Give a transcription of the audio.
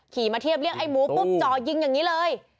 มาเทียบเรียกไอ้หมูปุ๊บจ่อยิงอย่างนี้เลย